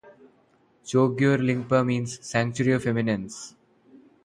Chokgyur Lingpa means 'Sanctuary of Eminence.